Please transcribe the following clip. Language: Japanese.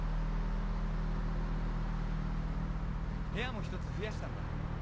部屋も１つ増やしたんだ